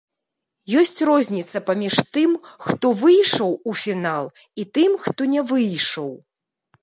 Ёсць розніца паміж тым, хто выйшаў у фінал, і тым, хто не выйшаў.